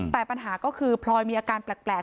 แต่ปัญหาก็คือพลอยมีอาการแปลก